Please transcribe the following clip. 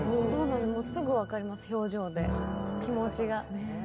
すぐ分かります、表情で気持ちが。